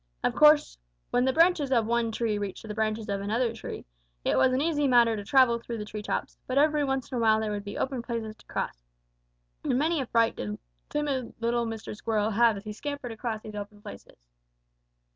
Of course, when the branches of one tree reached to the branches of another tree, it was an easy matter to travel through the tree tops, but every once in a while there would be open places to cross, and many a fright did timid little Mr. Squirrel have as he scampered across these open places.